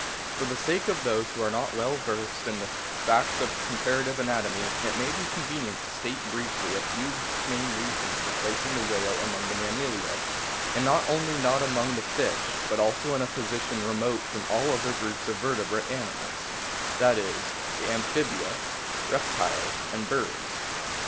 For the sake of those who are not well versed in the facts of com parative anatomy it may be convenient to state briefly a few main reasons for placing the whale among the Mammalia, and not only not among the fish, but also in a position remote from all other groups of verte brated animals that is, the Amphibia, Reptiles, and Birds.